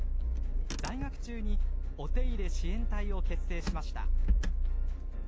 在学中にお手入れ支援隊を結成しました。